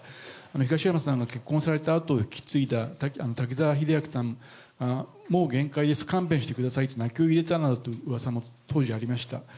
東山さんが結婚されたあと、引き継いだ滝沢秀明さんも、限界です、もう勘弁してくださいと、泣きを入れたなどといううわさも当時、ありました。